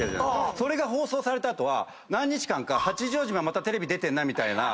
それが放送された後は何日間か「八丈島またテレビ出てんな」みたいな。